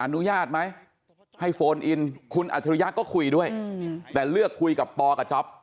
อนุญาตไหมให้โฟนอินคุณอัจฉริยะก็คุยด้วยแต่เลือกคุยกับปอกับจ๊อป